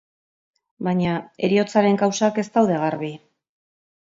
Baina heriotzaren kausak ez daude garbi.